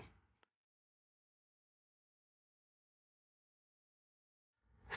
perasaan aku saat ini semakin gak karuan